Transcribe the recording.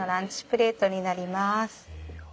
プレートになります。